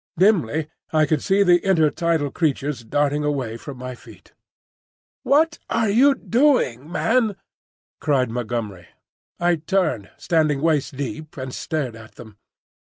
Dimly I could see the intertidal creatures darting away from my feet. "What are you doing, man?" cried Montgomery. I turned, standing waist deep, and stared at them.